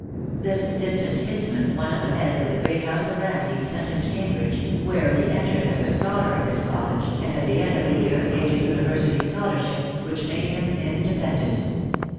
This distant kinsman, one of the heads of the great house of Ramsay, sent him to Cambridge, where he entered as a scholar of his college, and at the end of a year gained a University scholarship, which made him independent.